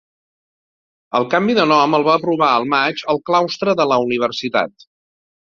El canvi de nom el va aprovar al maig el claustre de la universitat.